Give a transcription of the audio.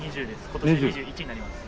今年２２になります。